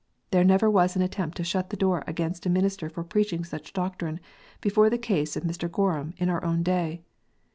There never was an attempt to shut the door against a minister for preaching such doctrine, before the case of Mr. Gorham in our own day.